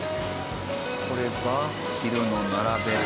これが昼の並べて。